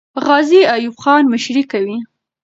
غازي ایوب خان مشري کوي.